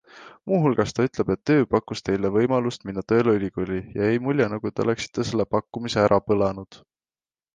Muu hulgas ta ütleb, et TÜ pakkus teile võimalust minna tööle ülikooli ja jäi mulje, nagu te oleksite selle pakkumise ära põlanud.